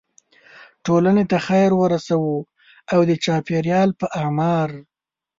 ټولنې ته خیر ورسوو او د چاپیریال په اعمار.